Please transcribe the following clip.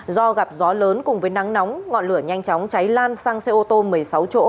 do gặp gió lớn cùng với nắng nóng ngọn lửa nhanh chóng cháy lan sang xe ô tô một mươi sáu chỗ